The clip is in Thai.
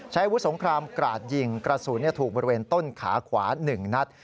ใช้วุฒิสงครามกราดยิงกระสุนถูกบริเวณต้นขาขวา๑นัด